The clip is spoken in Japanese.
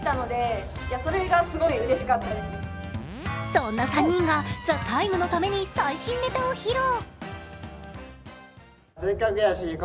そんな３人が「ＴＨＥＴＩＭＥ，」のために最新ネタを披露。